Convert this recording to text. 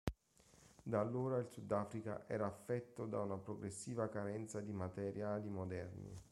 Da allora il Sudafrica era affetto da una progressiva carenza di materiali moderni.